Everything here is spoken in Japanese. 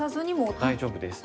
大丈夫です。